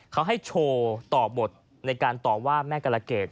เขาให้โชว์ต่อบทในการต่อว่าแม่กรเกต